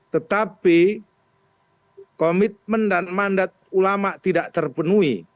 tetapi komitmen dan mandat ulama tidak terpenuhi